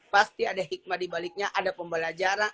pasti ada hikmah dibaliknya ada pembelajaran